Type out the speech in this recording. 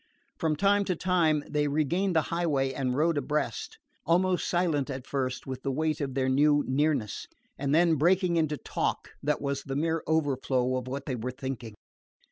From time to time they regained the highway and rode abreast, almost silent at first with the weight of their new nearness, and then breaking into talk that was the mere overflow of what they were thinking.